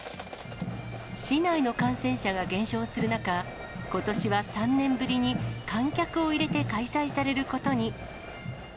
市内の感染者が減少する中、ことしは３年ぶりに観客を入れて開催されることに。